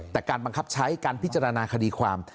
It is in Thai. แต่การบังคับใช้การพิจารณาคดีความ